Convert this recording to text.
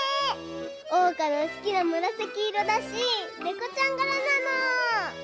おうかのすきなむらさきいろだしネコちゃんがらなの！